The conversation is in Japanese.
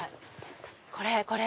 これこれ！